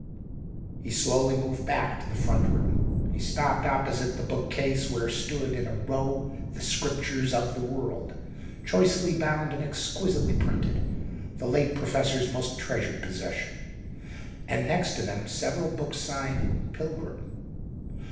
He slowly moved back to the front room. He stopped opposite the bookcase where stood in a row the "Scriptures of the World," choicely bound and exquisitely printed, the late professor's most treasured possession, and next to them several books signed "Pilgrim."